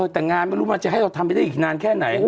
แต่งานไม่รู้มันจะให้เราทำไปได้อีกนานแค่ไหน